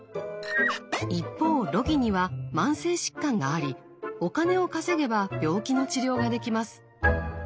一方ロギニは慢性疾患がありお金を稼げば病気の治療ができます。